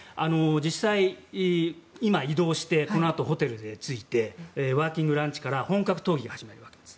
実際、今移動してこのあと、ホテルに着いてワーキングランチから本格討議が始まるわけです。